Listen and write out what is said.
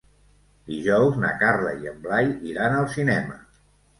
Dijous na Carla i en Blai iran al cinema.